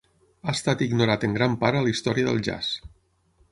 Ha estat ignorat en gran part a l'història del jazz.